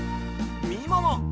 みもも。